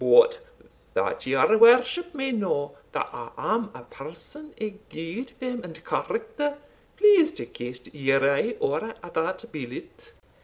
But that your worship may know that I am a person of good fame and character, please to cast your eye over that billet."